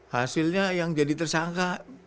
hasilnya yang jadi tersangka